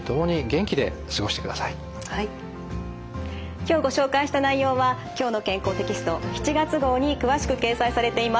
今日ご紹介した内容は「きょうの健康」テキスト７月号に詳しく掲載されています。